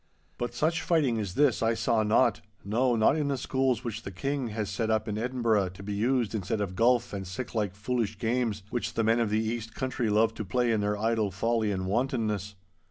But such fighting as this I saw not—no, not in the schools which the King has set up in Edinburgh to be used instead of golf and siclike foolish games, which the men of the east country love to play in their idle folly and wantonness.